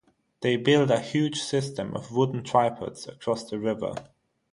They build a huge system of wooden tripods across the river.